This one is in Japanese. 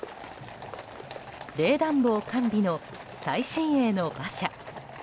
冷暖房完備の最新鋭の馬車。